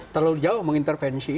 terlalu jauh mengintervensi